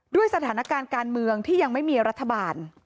ด้วยสถานการณ์การเมืองที่ยังไม่มีรัฐบาล